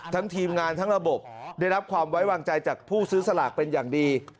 ทีมงานทั้งระบบได้รับความไว้วางใจจากผู้ซื้อสลากเป็นอย่างดี